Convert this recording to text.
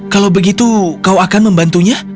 kalau begitu kau akan membantunya